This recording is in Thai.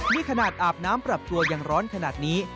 นี่ขนาดอาบน้ำปรับตัวยังร้อนขนาดนี้